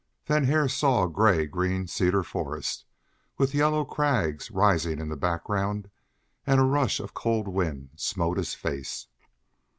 Then Hare saw a gray green cedar forest, with yellow crags rising in the background, and a rush of cold wind smote his face.